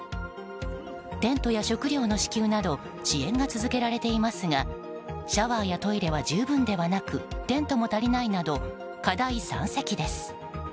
テントや食料の支給など支援が続けられていますがシャワーやトイレは十分ではなくテントも足りないなど課題山積です。